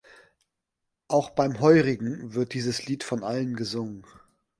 Auch beim Heurigen wird dieses Lied von allen gesungen.